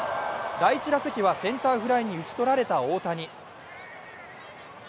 第１打席はセンターフライに打ち取られた大谷。